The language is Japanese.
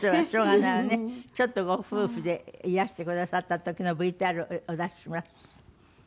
ちょっとご夫婦でいらしてくださった時のＶＴＲお出しします。